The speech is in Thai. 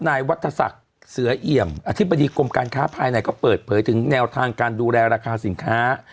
นายวัฒนศักดิ์เสือเอี่ยมอธิบดีกรมการค้าภายในก็เปิดเผยถึงแนวทางการดูแลราคาสินค้า